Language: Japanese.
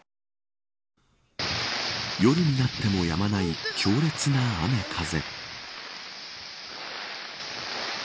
夜になってもやまない強烈な雨風。